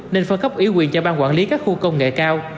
nên phân khắp ý quyền cho ban quản lý các khu công nghệ cao